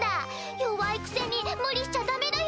弱いくせに無理しちゃダメだよ。